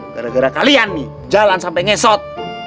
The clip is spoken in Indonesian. gara gara kalian nih jalan sampai ngesot